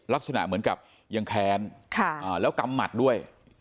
ลักษณะเหมือนกับยังแค้นแล้วกำหมัดด้วย